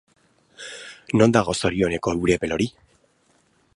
Non dago zorioneko Urepel hori?